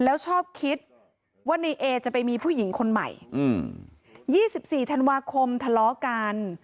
แล้วชอบคิดว่าในเอจะไปมีผู้หญิงคนใหม่อืมยี่สิบสี่ธันวาคมทะเลาะกัน